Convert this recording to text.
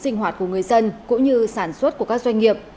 sinh hoạt của người dân cũng như sản xuất của các doanh nghiệp